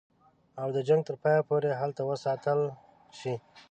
او د جنګ تر پایه پوري هلته وساتل شي.